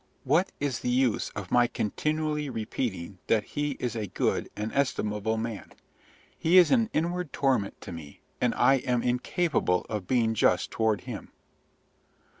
"What is the use of my continually repeating that he is a good and estimable man? He is an inward torment to me, and I am incapable of being just toward him."